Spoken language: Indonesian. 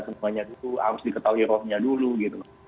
semuanya harus diketahui rohnya dulu gitu